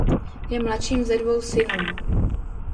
Je mladším ze dvou synů.